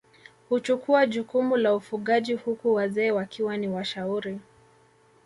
Huchukua jukumu la ufugaji huku wazee wakiwa ni washauri